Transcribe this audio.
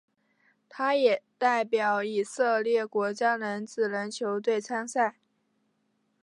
他也代表以色列国家男子篮球队参赛。